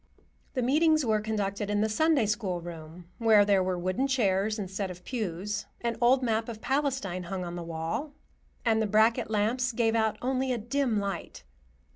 The meetings were conducted in the Sunday School room, where there were wooden chairs instead of pews; an old map of Palestine hung on the wall, and the bracket lamps gave out only a dim light.